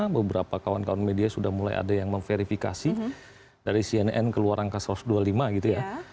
maka media sudah mulai ada yang memverifikasi dari cnn ke luar rangka satu ratus dua puluh lima gitu ya